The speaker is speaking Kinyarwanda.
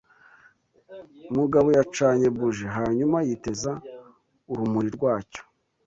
Mugabo yacanye buji hanyuma yitegereza urumuri rwacyo.